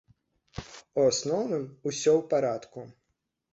У асноўным усё ў парадку.